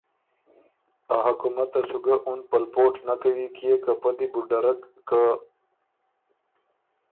ا حکومته سُو ګۀ اُن پلپوټ نک کوی کيې که پۀ دی بو ډرک که